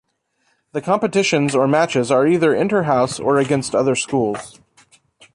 The competitions or matches are either 'interhouse' or against other schools.